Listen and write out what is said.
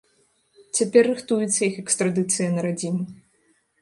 Цяпер рыхтуецца іх экстрадыцыя на радзіму.